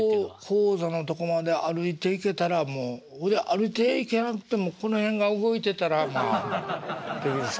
高座のとこまで歩いていけたらもうほいで歩いていけなくてもこの辺が動いてたらまあできる商売ですから。